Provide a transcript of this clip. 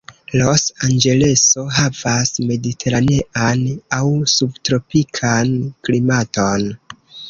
Los Anĝeleso havas mediteranean aŭ subtropikan klimaton.